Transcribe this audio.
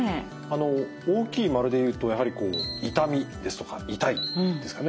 あの大きい丸でいうとやはり「痛み」ですとか「痛い」ですかね。